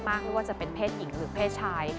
ไม่ว่าจะเป็นเพศหญิงหรือเพศชาย